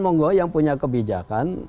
saya juga yang punya kebijakan